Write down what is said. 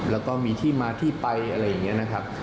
แล้วก็มีที่มาที่ไปอะไรอย่างนี้นะครับ